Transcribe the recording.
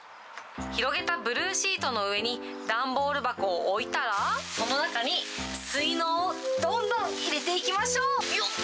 広げたブルーシートの上に段ボール箱を置いたら、その中に水のうをどんどん入れていきましょう。